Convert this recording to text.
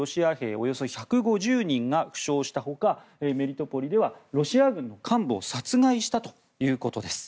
およそ１５０人が負傷した他メリトポリではロシア軍の幹部を殺害したということです。